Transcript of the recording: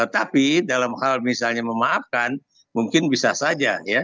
tapi dalam hal misalnya memaafkan mungkin bisa saja ya